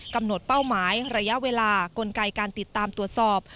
เป้าหมายระยะเวลากลไกการติดตามตรวจสอบ